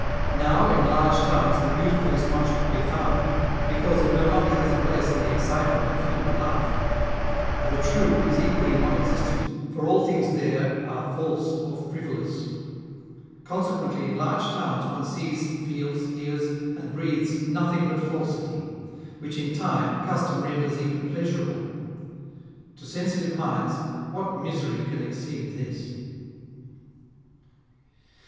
Now in large towns the beautiful is not to be found, because it no longer has a place in the excitement of human life. The true is equally non existent ; for all things there are false or frivolous. Consequently, in large towns one sees, feels, hears, and breathes nothing but falsity, which in time, custom renders even pleasurable. To sensitive minds, what misery can exceed this